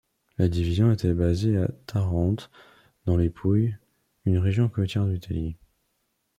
La division était basée à Tarente dans les Pouilles, une région côtière de l'Italie.